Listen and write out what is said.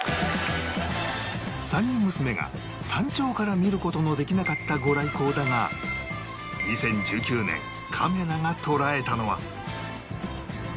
３人娘が山頂から見る事のできなかった御来光だが２０１９年カメラが捉えたのは